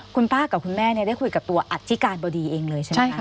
คุณป้ากับคุณแม่ได้คุยกับตัวอธิการบดีเองเลยใช่ไหมคะ